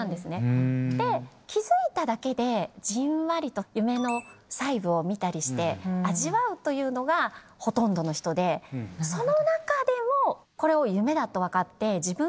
気付いただけでじんわりと夢の細部を見たりして味わうというのがほとんどの人でその中でもこれを夢だと分かって。